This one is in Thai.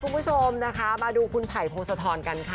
คุณผู้ชมนะคะมาดูคุณไผ่พงศธรกันค่ะ